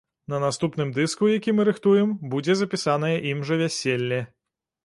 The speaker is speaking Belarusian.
На наступным дыску, які мы рыхтуем, будзе запісанае ім жа вяселле.